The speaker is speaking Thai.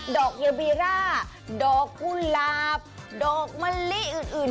ดอกเยาบีร่าดอกกุหลาบดอกมะลิอื่น